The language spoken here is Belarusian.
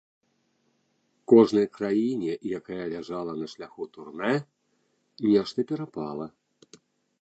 Кожнай краіне, якая ляжала на шляху турне, нешта перапала.